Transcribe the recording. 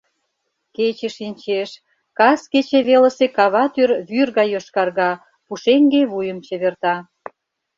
Кече шинчеш, кас кече велысе кава тӱр вӱр гай йошкарга, пушеҥге вуйым чеверта.